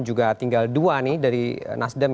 juga tinggal dua nih dari nasdem